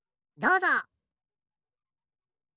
どうぞ。